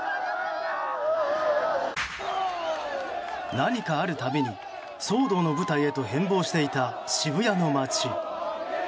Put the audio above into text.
何かある度に騒動の舞台へと変ぼうしていた渋谷の街。